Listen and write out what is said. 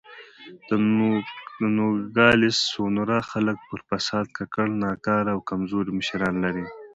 د نوګالس سونورا خلک پر فساد ککړ، ناکاره او کمزوري مشران لري.